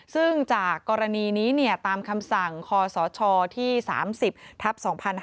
ซึ่งจากกรณีนี้ตามคำสั่งคศที่๓๐ทัพ๒๕๕๙